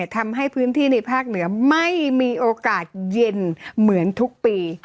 ทำให้พื้นที่ในภาคเหนือไม่มีโอกาสเย็นเหมือนทุกปี